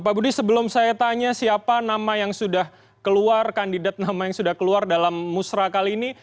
pak budi sebelum saya tanya siapa nama yang sudah keluar kandidat nama yang sudah keluar dalam musrah kali ini